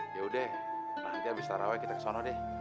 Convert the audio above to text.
yaudah nanti abis tarawih kita kesana deh